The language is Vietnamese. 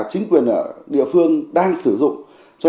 chính quyền ở địa phương đang sử dụng cho